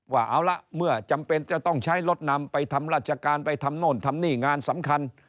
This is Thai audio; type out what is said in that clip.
ว่าเอาละเมื่อจำเป็นจะต้องใช้รถนำไปทำราชการไปทำโน่นทำนี่งานสำคัญ